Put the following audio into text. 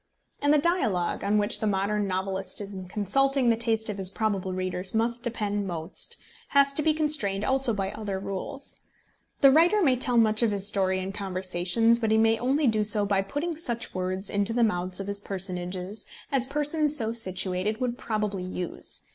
And the dialogue, on which the modern novelist in consulting the taste of his probable readers must depend most, has to be constrained also by other rules. The writer may tell much of his story in conversations, but he may only do so by putting such words into the mouths of his personages as persons so situated would probably use.